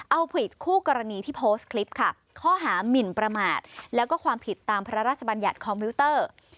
เอาผิดคู่กรณีที่โพสต์คลิปค่ะข้อหามินประมาทแล้วก็ความผิดตามพระราชบัญญัติคอมพิวเตอร์